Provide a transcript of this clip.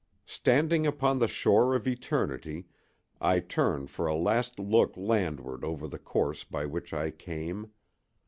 Standing upon the shore of eternity, I turn for a last look landward over the course by which I came.